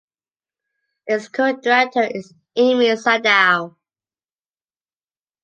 Its current director is Amy Sadao.